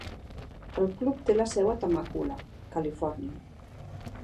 El club té la seu a Temecula, Califòrnia.